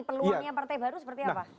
peluangnya partai baru seperti apa